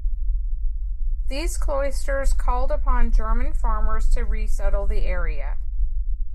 These cloisters called upon German farmers to resettle the area.